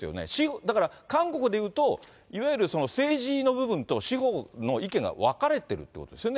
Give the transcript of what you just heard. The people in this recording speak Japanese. だから、韓国でいうといわゆる政治の部分と司法の意見が分かれてるってことですよね？